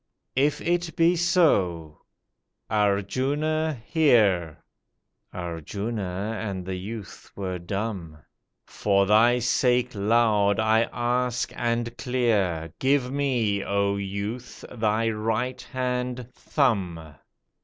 "If it be so, Arjuna hear!" Arjuna and the youth were dumb, "For thy sake, loud I ask and clear, Give me, O youth, thy right hand thumb.